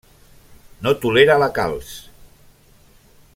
No tolera la calç.